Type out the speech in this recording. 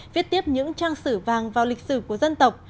viết tiếp những trang sử vàng vào lịch sử của dân tộc